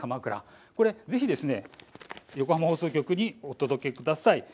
ぜひ横浜放送局にお届けください。